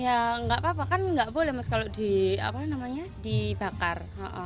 ya nggak apa apa kan nggak boleh mas kalau dibakar